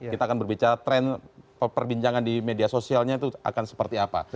kita akan berbicara tren perbincangan di media sosialnya itu akan seperti apa